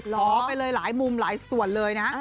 ขอไปเลยหลายมุมหลายส่วนเลยนะ